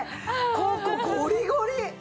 ここゴリゴリ。